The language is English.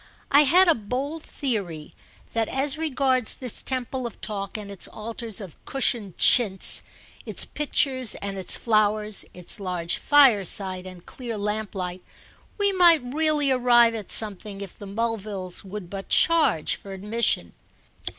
I had a bold theory that as regards this temple of talk and its altars of cushioned chintz, its pictures and its flowers, its large fireside and clear lamplight, we might really arrive at something if the Mulvilles would but charge for admission.